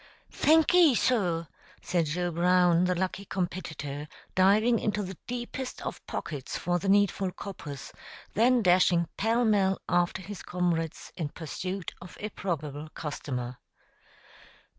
"Thankee, sur," said Joe Brown, the lucky competitor, diving into the deepest of pockets for the needful coppers, then dashing pell mell after his comrades in pursuit of a probable customer.